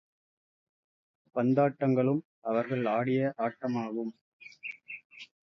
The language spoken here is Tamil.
பந்தாட்டங்களும் அவர்கள் ஆடிய ஆட்டமாகும்.